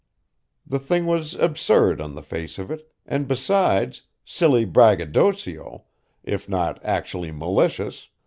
The thing was absurd on the face of it, and, besides, silly braggadocio, if not actually malicious.